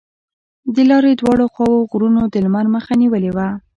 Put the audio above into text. د لارې دواړو خواوو غرونو د لمر مخه نیولې وه.